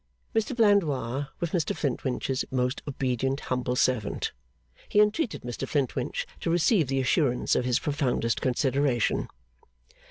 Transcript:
Mr Blandois was Mr Flintwinch's most obedient humble servant. He entreated Mr Flintwinch to receive the assurance of his profoundest consideration.